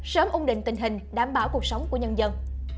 sớm ung định tình hình đảm bảo cuộc sống của nhân dân